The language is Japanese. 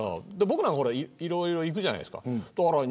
僕はいろいろ行くじゃないですか。